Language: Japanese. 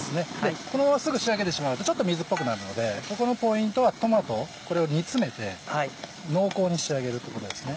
このまますぐ仕上げてしまうとちょっと水っぽくなるのでここのポイントはトマトこれを煮詰めて濃厚に仕上げるってことですね。